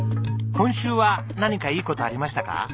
今週は何かいい事ありましたか？